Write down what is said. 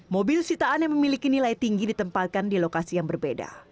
mobil sitaan yang memiliki nilai tinggi ditempatkan di lokasi yang berbeda